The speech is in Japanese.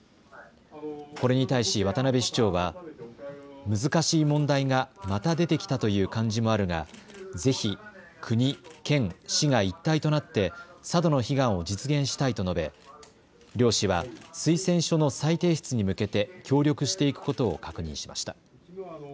これに対し渡辺市長は難しい問題がまた出てきたという感じもあるが、ぜひ国、県、市が一体となって佐渡の悲願を実現したいと述べ両氏は推薦書の再提出に向けて協力していくことを確認しました。